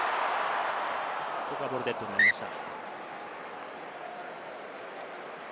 ここはボールデッドになりました。